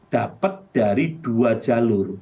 dapat dari dua jalur